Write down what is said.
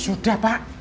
ya sudah pak